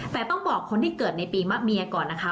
แต่ต้องบอกคนที่เกิดในปีมะเมียก่อนนะคะ